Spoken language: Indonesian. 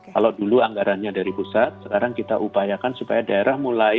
kalau dulu anggarannya dari pusat sekarang kita upayakan supaya daerah mulai